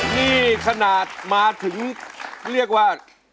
นี่ขนาดมาถึงเรียกว่า